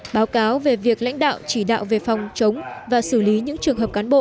báo cáo về việc lãnh đạo chỉ đạo về phòng chống và xử lý những trường hợp cán bộ